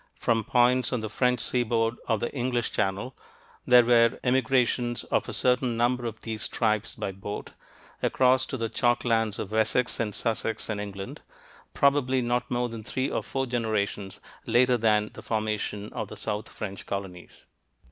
from points on the French seaboard of the [English] Channel ... there were emigrations of a certain number of these tribes by boat, across to the chalk lands of Wessex and Sussex [in England], probably not more than three or four generations later than the formation of the south French colonies."